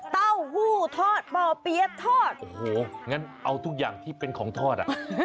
เต้าหู้ทอดบ่อเปี๊ยะทอดโอ้โหงั้นเอาทุกอย่างที่เป็นของทอดอ่ะ